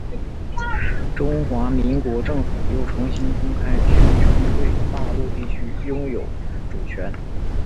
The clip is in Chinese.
中华民国政府又重新公开宣称对大陆地区拥有主权。